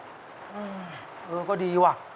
อืออือก็ดีวะ